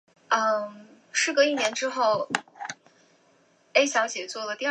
民国十四年病逝。